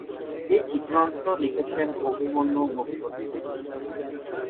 এর চিত্রনাট্য লিখেছেন অভিমন্যু মুখোপাধ্যায়।